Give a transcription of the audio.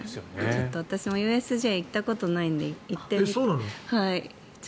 私もＵＳＪ行ったことないので行ってみたい。